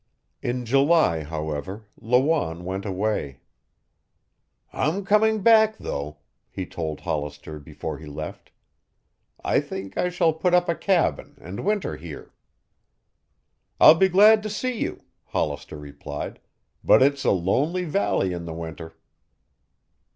In July, however, Lawanne went away. "I'm coming back, though," he told Hollister before he left. "I think I shall put up a cabin and winter here." "I'll be glad to see you," Hollister replied, "but it's a lonely valley in the winter."